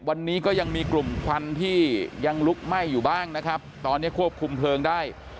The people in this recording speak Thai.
วันนี้ก็ยังมีกลุ่มควันที่ยังลุกไหม้อยู่บ้างนะครับตอนนี้ควบคุมเพลิงได้